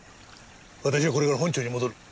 私はこれから本庁に戻る。